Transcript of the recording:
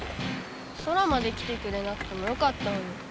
ソラまで来てくれなくてもよかったのに。